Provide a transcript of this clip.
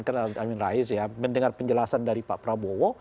karena amin rais ya mendengar penjelasan dari pak prabowo